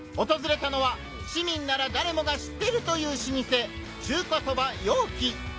訪れたのは市民ならダレもが知っているという老舗『中華そば陽気』！